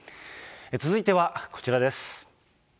続いてはこちらです。